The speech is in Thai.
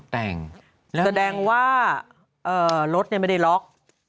แต่งแสดงว่ารถไม่ได้ล็อก